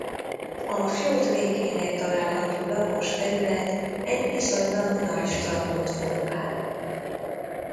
A fjord végénél található lapos terület egy viszonylag nagy strandot formál.